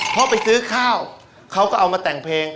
เพราะไปซื้อข้าวเขาก็เอามาแต่งเพลง